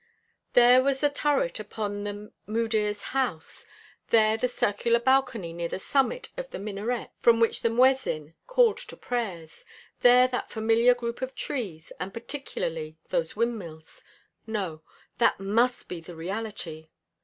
There was the turret upon the Mudir's house, there the circular balcony near the summit of the minaret from which the muezzin called to prayers, there that familiar group of trees, and particularly those windmills. No, that must be the reality.